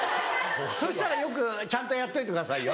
そしたらよくちゃんとやっといてくださいよ。